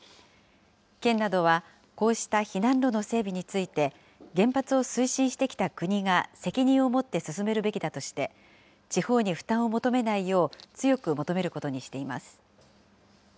県などはこうした避難路の整備について、原発を推進してきた国が責任を持って進めるべきだとして、地方に負担を求めないよう強く求めることにしています。